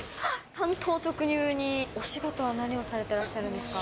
単刀直入に、お仕事は何をされてらっしゃいますか？